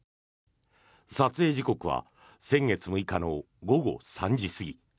撮影時刻は先月６日の午後３時過ぎ。